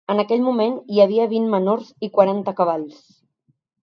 En aquell moment hi havia vint menors i quaranta cavalls.